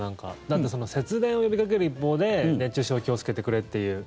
だって節電を呼びかける一方で熱中症、気をつけてくれという。